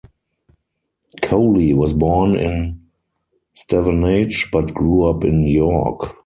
Coley was born in Stevenage but grew up in York.